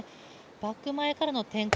バック前からの展開